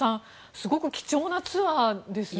すごく貴重なツアーですよね。